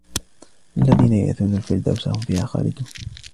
الَّذِينَ يَرِثُونَ الْفِرْدَوْسَ هُمْ فِيهَا خَالِدُونَ